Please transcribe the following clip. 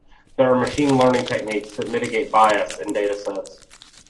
There are machine learning techniques to mitigate bias in datasets.